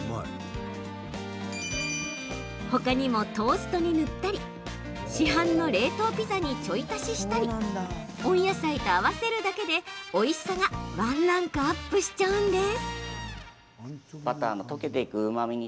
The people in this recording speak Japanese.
ほかにもトーストに塗ったり市販の冷凍ピザにちょい足ししたり温野菜と合わせるだけでおいしさがワンランクアップしちゃうんです。